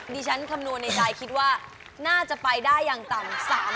คำนวณในใจคิดว่าน่าจะไปได้อย่างต่ำ